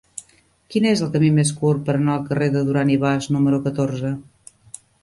Quin és el camí més curt per anar al carrer de Duran i Bas número catorze?